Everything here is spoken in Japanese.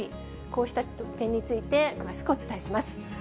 こうした点について詳しくお伝えします。